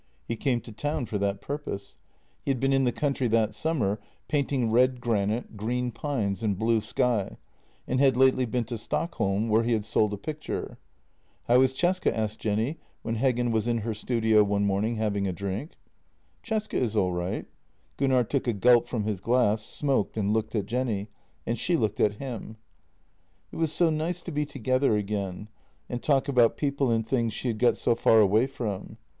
He came to town for that purpose. He had been in the country that summer, painting red granite, green pines, and blue sky, and had lately been to Stockholm, where he had sold a picture. " How is Cesca? " asked Jenny, when Heggen was in her studio one morning having a drink. " Cesca is all right." Gunnar took a gulp from his glass, smoked, and looked at Jenny, and she looked at him. It was so nice to be together again and talk about people and things she had got so far away from.